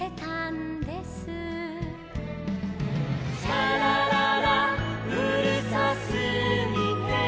「シャラララうるさすぎて」